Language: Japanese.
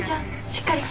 しっかり。